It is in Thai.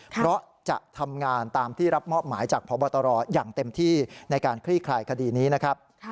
เพราะจะทำงานตามที่รับมอบหมายจากพบตรอย่างเต็มที่ในการคลี่คลายคดีนี้นะครับ